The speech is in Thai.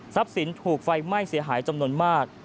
สินถูกไฟไหม้เสียหายจำนวนมาก